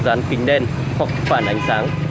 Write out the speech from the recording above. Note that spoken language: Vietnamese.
dán kính đen hoặc phản ánh sáng